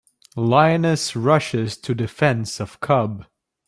Lioness Rushes to Defense of Cub.